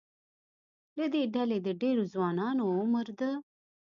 له دې ډلې د ډېرو ځوانانو عمر د